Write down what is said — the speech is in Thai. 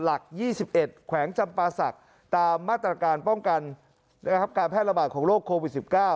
หลัก๒๑แขวงจำปาศักดิ์ตามมาตรการป้องกันการแพร่ระบาดของโรคโควิด๑๙